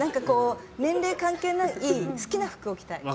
年齢関係ない好きな服を着たい。